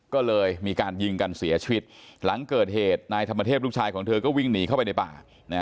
ก็เลยมีการยิงกันเสียชีวิตหลังเกิดเหตุนายธรรมเทพลูกชายของเธอก็วิ่งหนีเข้าไปในป่า